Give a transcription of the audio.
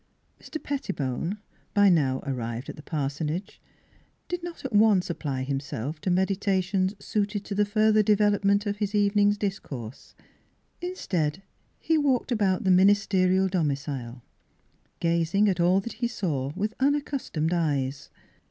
Mr. Pettibone, by now arrived at the parsonage, did not at once apply himself to meditations suited to the further devel opment of his evening's discourse. In Miss Fhilura's Wedding Gown stead he walked about the ministerial domicile, gazing at all that he saw with unaccustomed eyes.